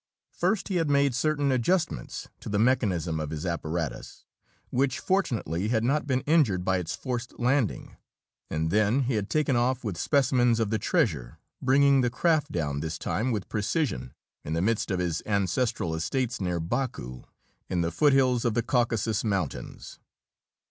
First he had made certain adjustments in the mechanism of his apparatus which fortunately had not been injured by its forced landing and then he had taken off with specimens of the treasure, bringing the craft down this time with precision in the midst of his ancestral estates near Baku, in the foothills of the Caucasus Mountains.